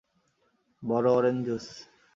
বড় orange juice.